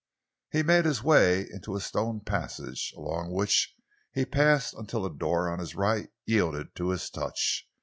He made his way into a stone passage, along which he passed until a door on his right yielded to his touch.